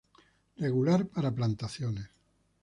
Regular para plantaciones.